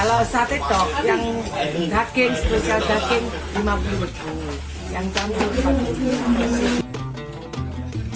satu satu dua tiga tiga tiga tiga